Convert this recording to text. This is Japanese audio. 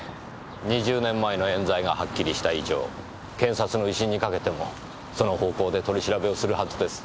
２０年前の冤罪がはっきりした以上検察の威信にかけてもその方向で取り調べをするはずです。